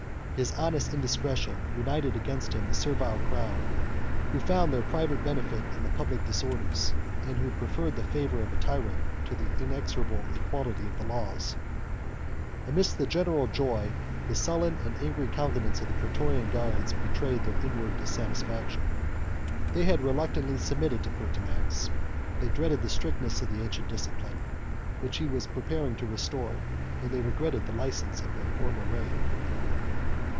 His honest indiscretion united against him the servile crowd, who found their private benefit in the public disorders, and who preferred the favor of a tyrant to the inexorable equality of the laws. 53 53 (return) [ Leges, rem surdam, inexorabilem esse. T. Liv. ii. 3.] Amidst the general joy, the sullen and angry countenance of the Prætorian guards betrayed their inward dissatisfaction. They had reluctantly submitted to Pertinax; they dreaded the strictness of the ancient discipline, which he was preparing to restore; and they regretted the license of the former reign.